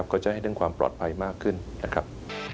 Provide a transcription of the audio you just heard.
ก็จะให้เรื่องความปลอดภัยมากขึ้นนะครับ